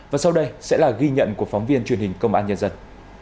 và sau đây sẽ là ghi nhận của phóng viên truyền hình công an nhân dân